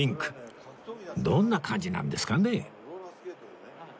どんな感じなんですかね？